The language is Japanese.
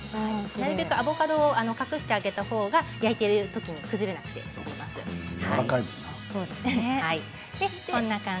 なるべくアボカドを隠してあげたほうが、焼いているときにやわらかいから。